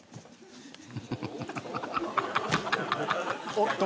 おっと？